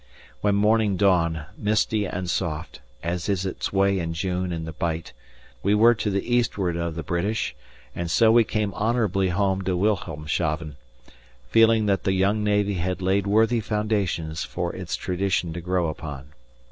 When morning dawned, misty and soft, as is its way in June in the Bight, we were to the eastward of the British, and so we came honourably home to Wilhelmshaven, feeling that the young Navy had laid worthy foundations for its tradition to grow upon.